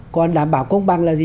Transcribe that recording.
mà đảm bảo công bằng là gì